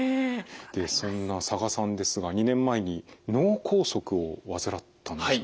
でそんな佐賀さんですが２年前に脳梗塞を患ったんですね。